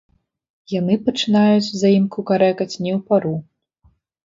Яны пачынаюць за ім кукарэкаць не ў пару.